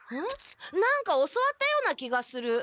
何か教わったような気がする！